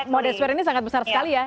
model swear ini sangat besar sekali ya